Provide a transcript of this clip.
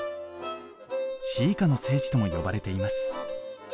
詩歌の聖地とも呼ばれています。